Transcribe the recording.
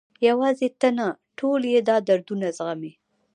یوازې ته نه، ټول یې دا دردونه زغمي.